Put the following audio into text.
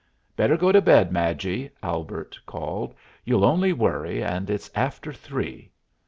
"Better go to bed, Madgy," Albert called. "You'll only worry, and it's after three."